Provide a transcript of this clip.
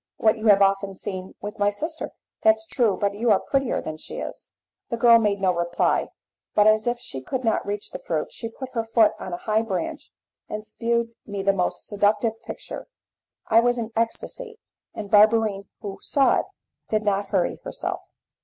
"What you have often seen with my sister." "That's true! but you are prettier than she is." The girl made no reply, but, as if she could not reach the fruit, she put her foot on a high branch, and shewed me the most seductive picture. I was in an ecstasy, and Barberine, who saw it, did not hurry herself.